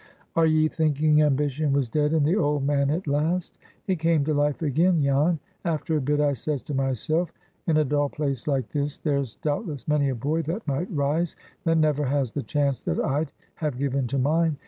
"Are ye thinking ambition was dead in the old man at last? It came to life again, Jan. After a bit, I says to myself, 'In a dull place like this there's doubtless many a boy that might rise that never has the chance that I'd have given to mine.